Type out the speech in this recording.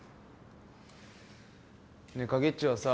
ねえ影っちはさ。